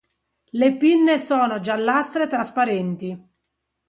Le pinne sono giallastre e trasparenti.